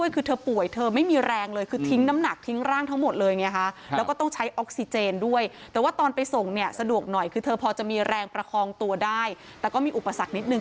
คือตอนไปช่วยคือเธอป่วย